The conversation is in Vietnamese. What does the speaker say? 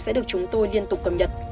sẽ được chúng tôi liên tục cầm nhật